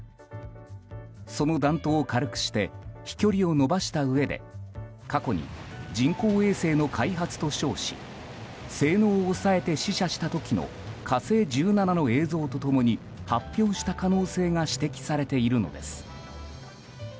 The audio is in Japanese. その弾頭を軽くして飛距離を伸ばしたうえで過去に人工衛星の開発と称し性能を抑えて試射した時の「火星１７」の映像と共に発表した可能性が指摘されているのです。